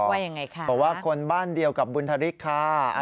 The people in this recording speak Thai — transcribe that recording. บอกว่าคนบ้านเดียวกับบุญธริกษ์ค่ะ